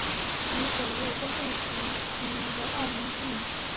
为首位以非政府组织成员名义参加欧盟访问计划的澳门居民。